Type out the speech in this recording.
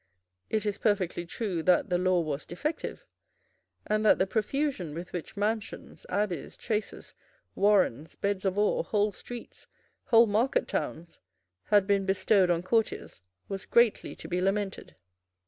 It is perfectly true that the law was defective, and that the profusion with which mansions, abbeys, chaces, warrens, beds of ore, whole streets, whole market towns, had been bestowed on courtiers was greatly to be lamented.